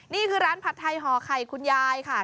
นี่คือร้านผัดไทยห่อไข่คุณยายค่ะ